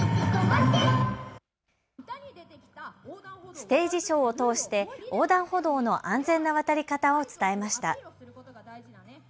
ステージショーを通して横断歩道の安全な渡り方を伝えました。